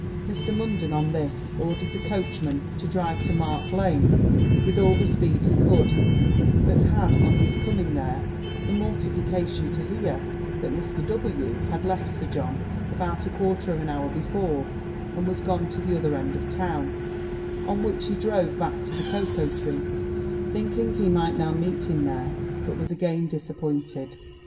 Mr. Munden, on this, ordered the coachman to drive to Mark Lane, with all the speed he could; but had, on his coming there, the mortification to hear that Mr. W had left Sir John about a quarter of an hour before, and was gone to the other end of the town: on which he drove back to the Cocoa Tree, thinking he might now meet him there; but was again disappointed.